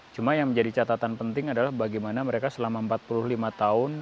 cuma yang menjadi catatan penting adalah bagaimana mereka selama empat puluh lima tahun